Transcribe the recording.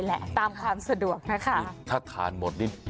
สะดุดสะดุดอารมณ์